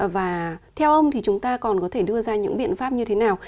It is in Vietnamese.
và theo ông thì chúng ta còn có thể đưa ra những biện pháp như thế nào